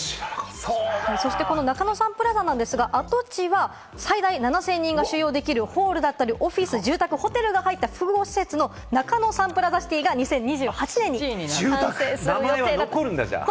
中野サンプラザなんですが、跡地は最大７０００人が収容できるホールだったり、オフィス、住宅、ホテルが入った複合施設のＮＡＫＡＮＯサンプラザシティが２０２８年に完成する予定です。